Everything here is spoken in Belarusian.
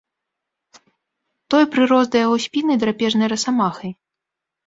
Той прырос да яго спіны драпежнай расамахай.